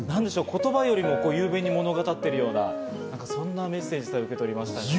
言葉よりも雄弁に物語ってるような、そんなメッセージ、受け取りましたね。